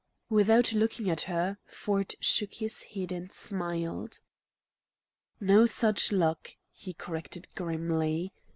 Without looking at her, Ford shook his head and smiled. "No such luck," he corrected grimly.